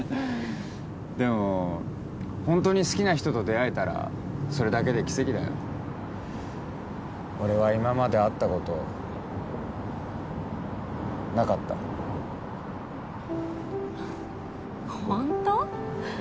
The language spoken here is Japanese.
でもホントに好きな人と出会えたらそれだけで奇跡だよ俺は今まで会ったことなかったホント？